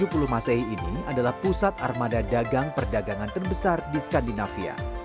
tujuh puluh masehi ini adalah pusat armada dagang perdagangan terbesar di skandinavia